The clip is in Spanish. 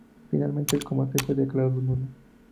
Finalmente el combate fue declarado nulo.